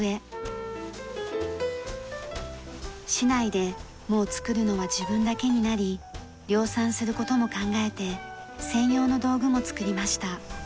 市内でもう作るのは自分だけになり量産する事も考えて専用の道具も作りました。